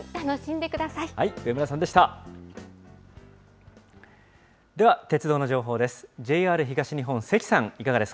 では鉄道の情報です。